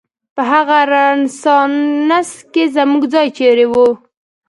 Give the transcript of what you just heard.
په هغه رنسانس کې زموږ ځای چېرې و؟